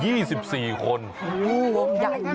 โวงใหญ่เลย